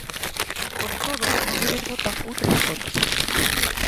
Con todo, non se desbotan outras hipóteses.